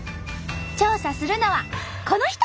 調査するのはこの人！